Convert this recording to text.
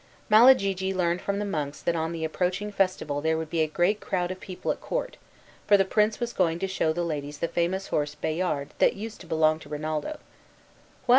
Malagigi learned from the monks that on the approaching festival there would be a great crowd of people at court, for the prince was going to show the ladies the famous horse Bayard that used to belong to Rinaldo. "What!"